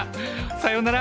さようなら！